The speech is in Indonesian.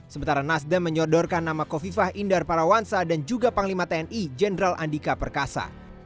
sementara nasdem menyodorkan nama kofifah indar parawansa dan juga panglima tni jenderal andika perkasa